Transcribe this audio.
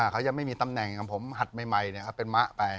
เขายังไม่มีตำแหน่งของผมหัดใหม่เขาเป็นมะไป